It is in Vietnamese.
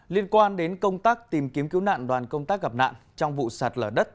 liên quan đến công tác tìm kiếm cứu nạn đoàn công tác gặp nạn trong vụ sạt lở đất